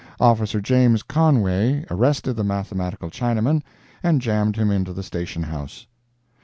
Officer James Conway arrested the mathematical Chinaman and jammed him into the station house.